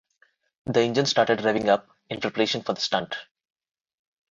The engine started revving up in preparation for the stunt.